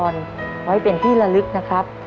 และให้เป็นที่ละลึกนะครับ